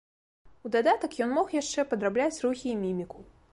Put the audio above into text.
У дадатак ён мог яшчэ падрабляць рухі і міміку.